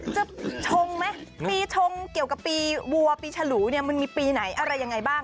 ชงไหมปีชงเกี่ยวกับปีวัวปีฉลูเนี่ยมันมีปีไหนอะไรยังไงบ้าง